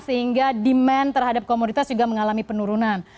sehingga demand terhadap komoditas juga mengalami penurunan